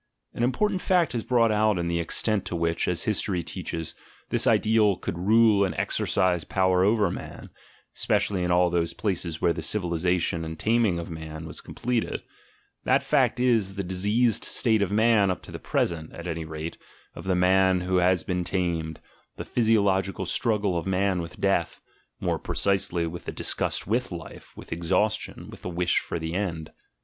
An impor tant fact is brought out in the extent to which, as history teaches, this ideal could rule and exercise power over man, especially in all those places where the civilisation and taming of man was completed: that fact is, the dis eased state of man up to the present, at any rate, of the man who has been tamed, the physiological struggle of man with death (more precisely, with the disgust with life, with exhaustion, with the wish for the "end").